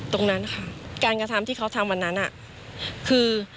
ตรงนั้นค่ะการกระทำที่เขาทำวันนั้นคือ